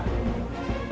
jangan lupa hendaro